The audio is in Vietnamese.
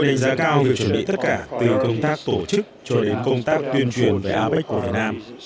đánh giá cao việc chuẩn bị tất cả từ công tác tổ chức cho đến công tác tuyên truyền về apec của việt nam